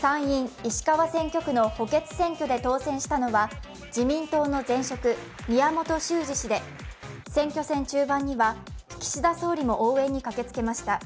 参院・石川選挙区の補欠選挙で当選したのは自民党の前職・宮本周司氏で選挙戦中盤には岸田総理も応援に駆けつけました。